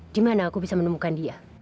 di mana aku bisa menemukan dia